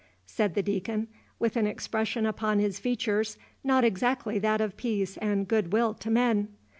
said the Deacon, with an expression upon his features not exactly that of peace and good will to men.